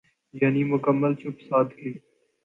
یعنی مکمل چپ سادھ لی۔